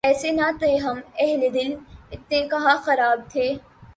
ایسے نہ تھے ہم اہلِ دل ، اتنے کہاں خراب تھے